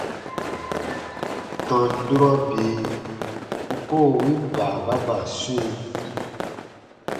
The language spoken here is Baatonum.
Tɔn durɔ bii u koo win baababa swĩ.